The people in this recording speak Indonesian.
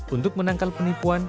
untuk menangkal penipuan